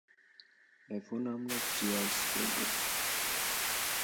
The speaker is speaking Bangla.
এখন আমরা চিয়ার্স করবো।